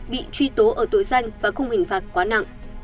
bị truy tố ở tội danh và không hình phạt quá nào